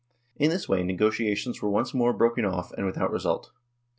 In this way negotiations were once more broken off; and without result.